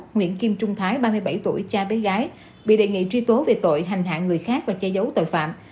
nguyễn kim trung thái ba mươi bảy tuổi cha bé gái bị đề nghị truy tố về tội hành hạ người khác và che giấu tội phạm